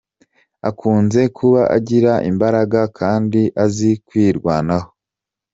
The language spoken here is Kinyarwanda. Akunze kuba agira imbaraga kandi azi kwirwanaho.